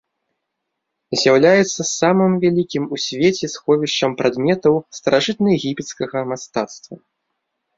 З'яўляецца самым вялікім у свеце сховішчам прадметаў старажытнаегіпецкага мастацтва.